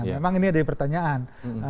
memang ini ada pertanyaan